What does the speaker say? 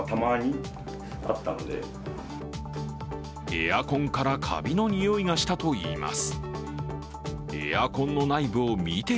エアコンからカビのにおいがしたといいます。